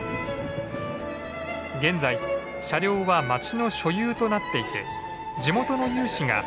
現在車両は町の所有となっていて地元の有志が保守管理にあたっています。